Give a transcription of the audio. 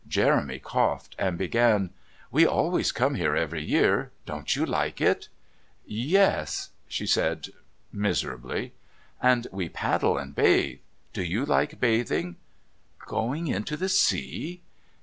Jeremy coughed and began: "We always come here every year. Don't you like it?" "Yes," she said miserably. "And we paddle and bathe. Do you like bathing?" "Going into the sea?"